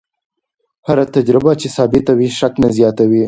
هره تجربه چې ثابته وي، شک نه زیاتوي.